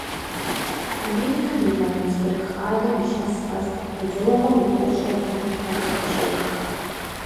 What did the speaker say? Америкэм и Вайнсберг къалэм илъэс къэс бадзэуэгъуэм и тӏощӏрэ бгъум уэшх къыщошх.